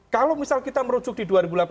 kalau misal kita merujuk di dua ribu delapan belas